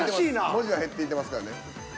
文字は減っていってますからね。